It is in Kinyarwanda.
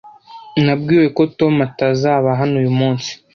Nabwiwe ko Tom atazaba hano uyu munsi.